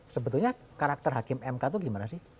sebetulnya karakter hakim mk itu bagaimana